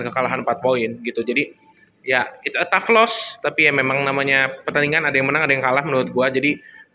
kekalahan empat poin gitu jadi ya ⁇ its ⁇ a tough loss tapi memang namanya pertandingan ada yang menang ada yang kalah menurut gue jadi